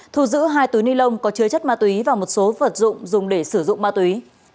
thu giữ hai túi ni lông có chứa chất ma túy và một số vật dụng dùng để sử dụng ma túy